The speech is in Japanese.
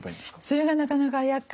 それがなかなかやっかいで。